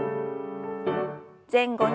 前後に。